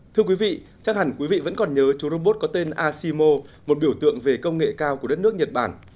thưa quý vị chắc hẳn quý vị vẫn còn nhớ chú robot có tên asimo một biểu tượng về công nghệ cao của đất nước nhật bản